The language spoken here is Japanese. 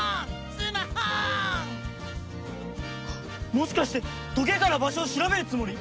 もしかしてトゲから場所を調べるつもり？